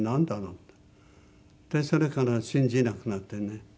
ってそれから信じなくなってね。